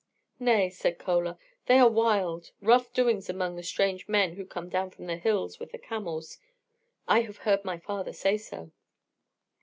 "Nay," said Chola, "there are wild, rough doings among the strange men who come down from the hills with the camels. I have heard my father say so."